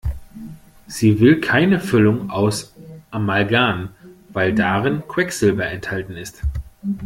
Sie will keine Füllung aus Amalgam, weil darin Quecksilber enthalten ist.